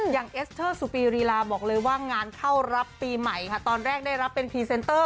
เอสเตอร์สุปีรีลาบอกเลยว่างานเข้ารับปีใหม่ค่ะตอนแรกได้รับเป็นพรีเซนเตอร์